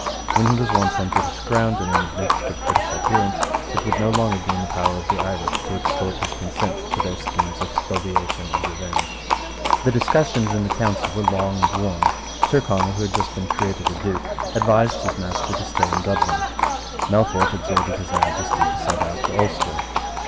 When he was once on British ground, and in the midst of British adherents, it would no longer be in the power of the Irish to extort his consent to their schemes of spoliation and revenge. The discussions in the Council were long and warm. Tyrconnel, who had just been created a Duke, advised his master to stay in Dublin. Melfort exhorted his Majesty to set out for Ulster.